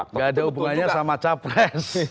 nggak ada hubungannya sama capres